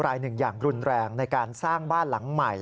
รายหนึ่งอย่างรุนแรงในการสร้างบ้านหลังใหม่